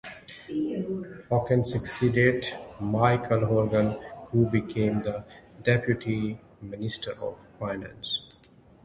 Hockin succeeded Michael Horgan who became the Deputy Minister of Finance.